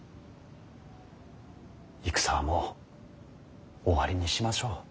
戦はもう終わりにしましょう。